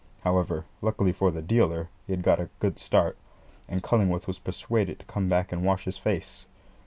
However, luckily for the dealer, he had got a good start, and Cullingworth was persuaded to come back and wash his face.